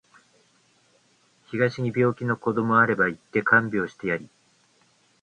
東に病気の子どもあれば行って看病してやり